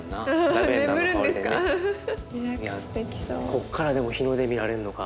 ここからでも日の出見られるのか。